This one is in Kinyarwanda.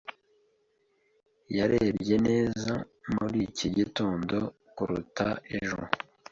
Yarebye neza muri iki gitondo kuruta ejo.